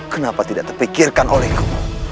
kenapa tidak terpikirkan olehku